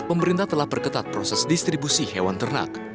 pemerintah telah perketat proses distribusi hewan ternak